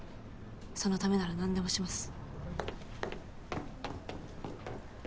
そのためなら何でもします。